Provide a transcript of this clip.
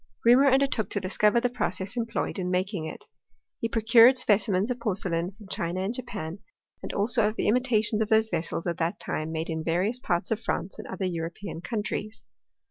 Reaumur undertook to discover the process employed in making it. He procured specimens of porcelain from China and Japan, and also of the imitations of those vessels at that time made in various parts of France and other European countries.